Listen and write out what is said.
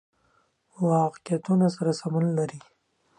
واقعیتونو سره سمون لري.